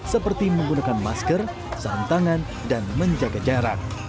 seperti menggunakan masker sarung tangan dan menjaga jarak